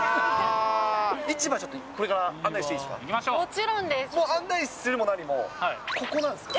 市場、ちょっとこれから案内していいですか。